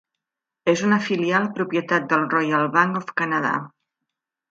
És una filial propietat del Royal Bank of Canada.